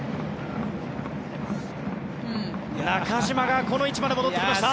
中島がこの位置まで戻ってきました。